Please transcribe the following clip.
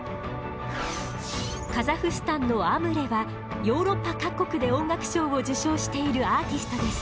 カザフスタンのアムレはヨーロッパ各国で音楽賞を受賞しているアーティストです。